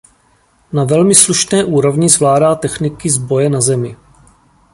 Na velmi slušné úrovní zvládá techniky z boje na zemi.